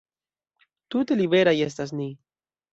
Tute liberaj estas ni!